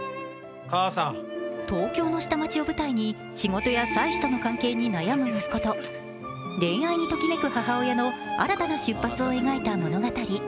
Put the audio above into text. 東京の下町を舞台に仕事や妻子との関係に悩む息子と恋愛にときめく母親の新たな出発を描いた物語。